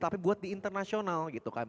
tapi buat di internasional gitu kan